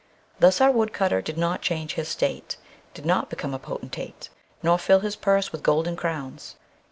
Thus our woodcutter did not change his state, did not become a potentate, nor fill his purse with golden crowns.